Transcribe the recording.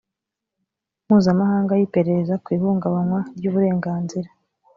mpuzamahanga y iperereza ku ihungabanywa ry uburenganzira